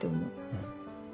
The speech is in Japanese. うん。